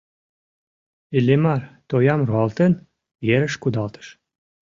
Иллимар, тоям руалтен, ерыш кудалтыш.